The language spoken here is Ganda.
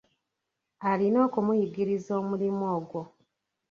Alina okumuyigiriza omirimu ogwo.